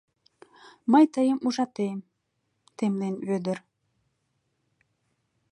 — Мый тыйым ужатем, — темлен Вӧдыр.